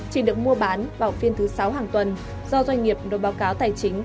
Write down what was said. chỉ được mua bán vào phiên thứ sáu hàng tuần do doanh nghiệp đối báo cáo tài chính